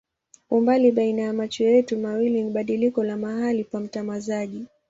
Umbali baina ya macho yetu mawili ni badiliko la mahali pa mtazamaji.